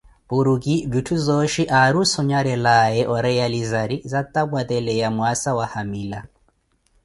Porki vittu zooshi aari ossonharelakaye orealizari zatapwateleya Mwassa wa hamila